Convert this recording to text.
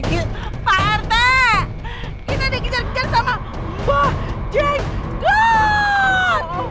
pak rt kita dikejar kejar sama mbak jengot